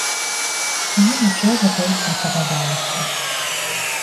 Мне нічога больш не падабалася.